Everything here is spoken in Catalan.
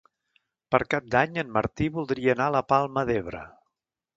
Per Cap d'Any en Martí voldria anar a la Palma d'Ebre.